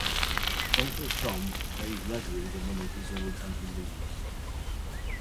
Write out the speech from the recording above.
Uncle Tom pays Legree the money he's owed and he leaves.